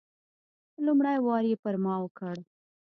لومړی وار یې پر ما وکړ.